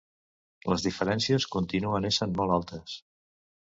Les diferències continuen essent molt altes.